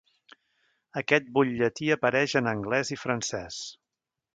Aquest butlletí apareix en angles i francès.